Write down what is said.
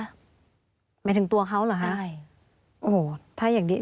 หมายถึงตัวเขาเหรอคะใช่โอ้โหถ้าอย่างดี